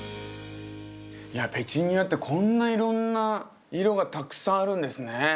いやペチュニアってこんないろんな色がたくさんあるんですね。